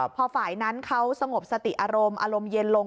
พอฝ่ายนั้นเขาสงบสติอารมณ์อารมณ์เย็นลง